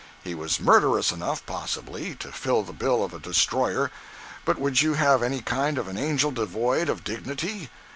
He was murderous enough, possibly, to fill the bill of a Destroyer, but would you have any kind of an Angel devoid of dignity?